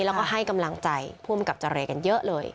แล้วก็ให้กำลังใจผู้อำกับเจรกันเยอะเลย